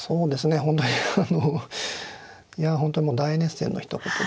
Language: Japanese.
本当にあのいや本当に大熱戦のひと言で。